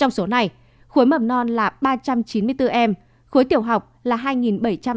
trong số này khối mập non là ba trăm chín mươi bốn em khối tiểu học là hai bảy trăm tám mươi sáu em